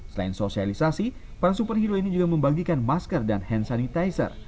selain sosialisasi para superhero ini juga membagikan masker dan hand sanitizer